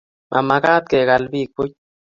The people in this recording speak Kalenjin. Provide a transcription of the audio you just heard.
Mamagat kekal piik puch